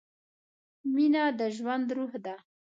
مینه د ژوند روح ده.